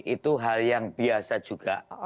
itu hal yang biasa juga